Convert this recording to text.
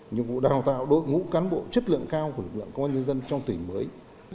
nhiệm vụ đào tạo đội ngũ cán bộ chất lượng cao của lực lượng công an nhân dân trong tỉnh mới